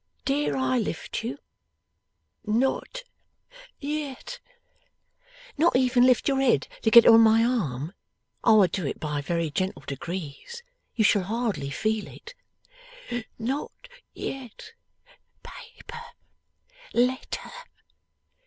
'Dare I lift you?' 'Not yet.' 'Not even lift your head to get it on my arm? I will do it by very gentle degrees. You shall hardly feel it.' 'Not yet. Paper. Letter.